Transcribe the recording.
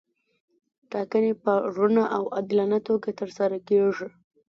ټاکنې په رڼه او عادلانه توګه ترسره کیږي.